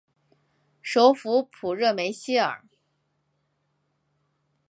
首府普热梅希尔。